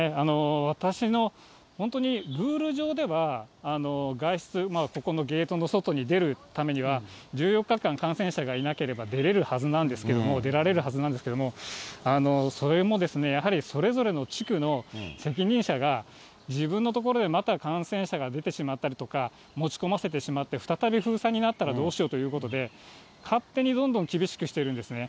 私の、本当にルール上では、外出、ここのゲートの外に出るためには、１４日間、感染者がいなければ出れるはずなんですけれども、出られるはずなんですけれども、それもですね、やはり、それぞれの地区の責任者が、自分のところでまた感染者が出てしまったりとか、持ち込ませてしまって再び封鎖になったらどうしようということで、勝手にどんどん厳しくしているんですね。